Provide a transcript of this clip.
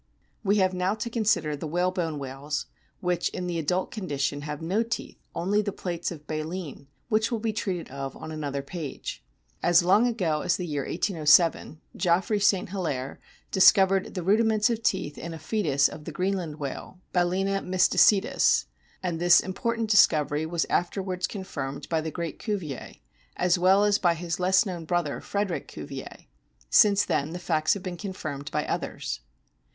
We have now to consider the whalebone whales, which, in the adult condition, have no teeth, only the plates of baleen, which will be treated of on another page (p. So). As long ago as the year 1807 Geoffroy St. Hilaire discovered the rudiments of teeth in a fcetus of the Greenland whale, Balcena my slice tus ; and this important discovery was afterwards confirmed by the great Cuvier, as well as by his less known brother, Frederick Cuvier. Since then the facts have been confirmed by others.